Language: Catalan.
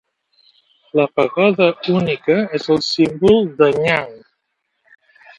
La pagoda única és el símbol d'Anyang.